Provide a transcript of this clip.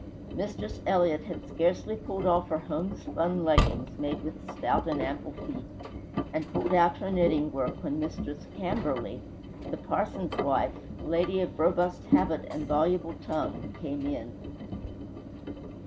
Mistress Elliott had scarcely pulled off her homespun leggings (made with stout and ample feet) and pulled out her knitting work, when Mistress Camberly, the parson's wife, a lady of robust habit and voluble tongue, came in.